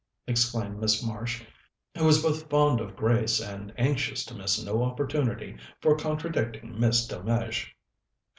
exclaimed Miss Marsh, who was both fond of Grace and anxious to miss no opportunity for contradicting Miss Delmege.